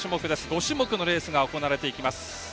５種目のレースが行われます。